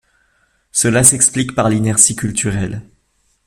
Cela s'explique par l'inertie culturelle.